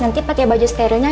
nanti pakai baju sterilnya ya pak